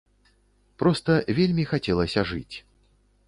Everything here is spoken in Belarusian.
Проста вельмі хацелася жыць.